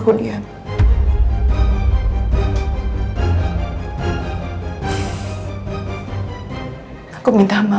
aku bisa bawa dia ke rumah